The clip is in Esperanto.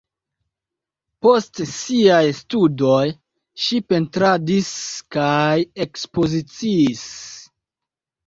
Post siaj studoj ŝi pentradis kaj ekspoziciis.